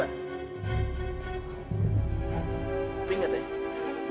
tentu lu obsesi sama cewek gue